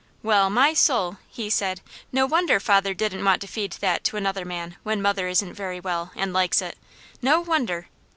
"Well my soul!" he said. "No wonder father didn't want to feed that to another man when mother isn't very well, and likes it! No wonder!"